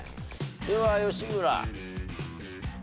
では吉村。